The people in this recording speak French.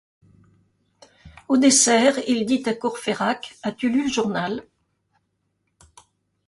Au dessert il dit à Courfeyrac: As-tu lu le journal?